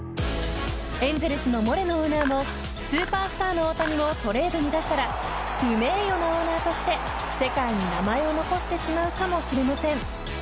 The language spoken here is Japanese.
エンゼルスのモレノオーナーもスーパースターの大谷をトレードに出したら不名誉なオーナーとして世界に名前を残してしまうかもしれません。